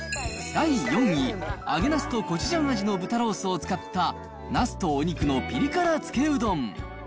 第４位、揚げなすとコチュジャン味の豚ロースを使った、なすとお肉のピリ辛つけうどん。